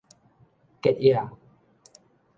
吉野